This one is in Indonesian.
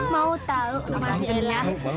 mau tahu rumah si ella